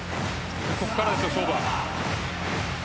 ここからですよ、勝負は。